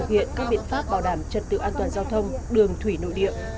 hiện các biện pháp bảo đảm trật tự an toàn giao thông đường thủy nội địa